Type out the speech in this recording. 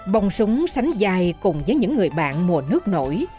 bông súng sánh dài cùng với những người bạn mùa nước nổi